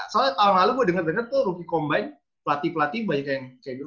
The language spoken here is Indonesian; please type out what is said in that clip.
soalnya tahun lalu gue denger dengar tuh rookie combine pelatih pelatih banyak yang kayak gitu